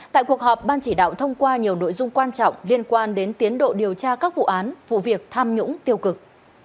tại cuộc họp ban chỉ đạo thông qua nhiều nội dung quan trọng liên quan đến tiến độ điều tra các vụ án vụ việc tham nhũng tiêu cực